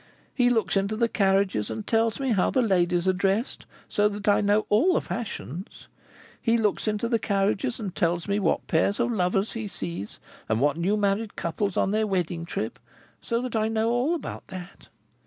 He looks into the carriages, and tells me how the ladies are drest—so that I know all the fashions! He looks into the carriages, and tells me what pairs of lovers he sees, and what new married couples on their wedding trip—so that I know all about that!